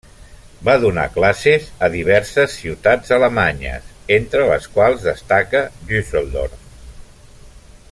Va donar classes a diverses ciutats alemanyes, entre les quals destaca Düsseldorf.